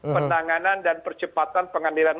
penanganan dan percepatan pengandilan